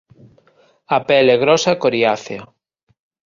A pel é grosa e coriácea.